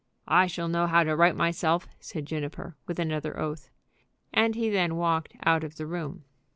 "I shall know how to right myself," said Juniper, with another oath. And he then walked out of the room.